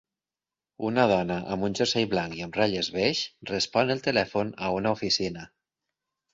Una dona amb un jersei blanc i amb ratlles beix respon el telèfon a una oficina.